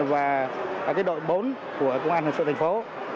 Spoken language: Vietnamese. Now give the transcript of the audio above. và đội bốn của công an hình sự thành phố